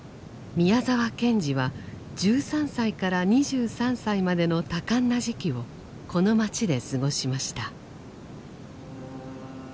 宮沢賢治は１３歳から２３歳までの多感な時期をこの街で過ごしました。